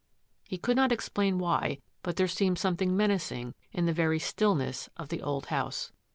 He could not explain why but there seemed something menacing in the very stillness of the old house.